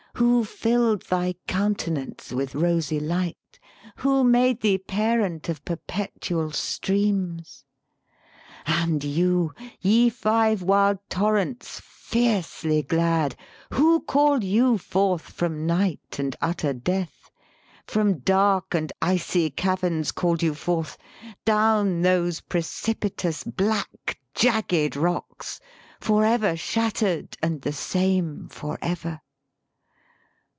Who filled thy countenance with rosy light? Who made thee parent of perpetual streams? And you, ye five wild torrents fiercely glad! Who called you forth from night and utter death, From dark and icy caverns called you forth, Down those precipitous, black, jagged Rocks, Forever shattered and the same forever?